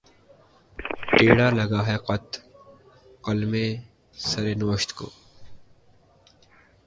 ٹیڑھا لگا ہے قط‘ قلمِ سر نوشت کو